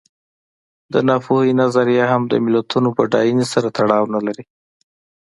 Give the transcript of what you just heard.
د ناپوهۍ نظریه هم د ملتونو بډاینې سره تړاو نه لري.